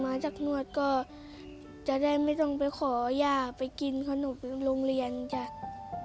มาจากนวดก็จะได้ไม่ต้องไปขอย่าไปกินขนมโรงเรียนจ้ะ